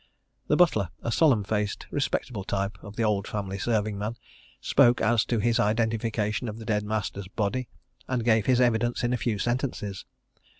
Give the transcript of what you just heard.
The butler, a solemn faced, respectable type of the old family serving man, spoke as to his identification of the dead master's body, and gave his evidence in a few sentences.